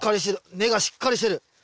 根がしっかりしてる。